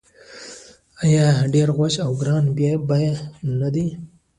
آیا ډیر خوږ او ګران بیه نه دي؟